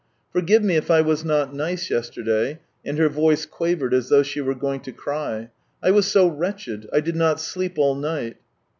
"Forgive me if I was not nice yesterday;" and her voice quavered as though she were going to cry. " I was so wretched ! I did not sleep all night."